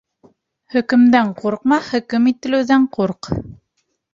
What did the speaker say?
Хөкөмдән ҡурҡма, хөкөм ителеүҙән ҡурҡ.